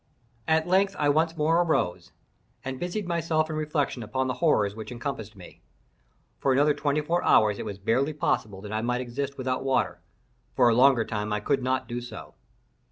At length I once more arose, and busied myself in reflection upon the horrors which encompassed me. For another twenty four hours it was barely possible that I might exist without water—for a longer time I could not do so.